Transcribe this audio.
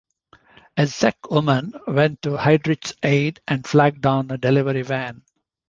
A Czech woman went to Heydrich's aid and flagged down a delivery van.